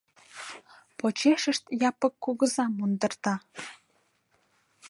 Почешышт Япык кугыза мундырта.